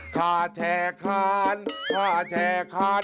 ข้าแช่คานข้าแช่คาน